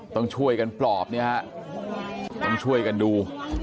ต้องช่วยกันปลอบเนี่ยฮะต้องช่วยกันดู